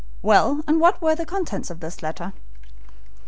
Well, and what were the contents of this letter?"